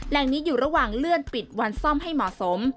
แหล่งนี้อยู่ระหว่างเลื่อนปิดวันซ่อมให้เหมาะสม